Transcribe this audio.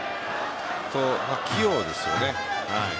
器用ですよね。